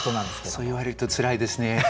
そう言われるとつらいですね。